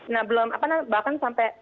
nah belum bahkan sampai